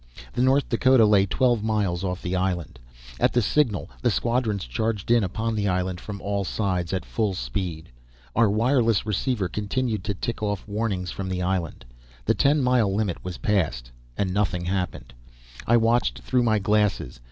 The North Dakota lay twelve miles off the island. At the signal the squadrons charged in upon the island, from all sides, at full speed. Our wireless receiver continued to tick off warnings from the island. The ten mile limit was passed, and nothing happened. I watched through my glasses.